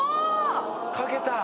書けた！